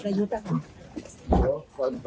จะไปกับใจในเพจ